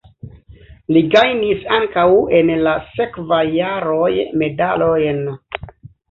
Li gajnis ankaŭ en la sekvaj jaroj medalojn.